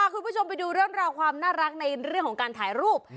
คุณผู้ชมไปดูเรื่องราวความน่ารักในเรื่องของการถ่ายรูป